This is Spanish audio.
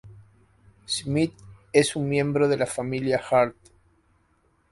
Smith es un miembro de la Familia Hart.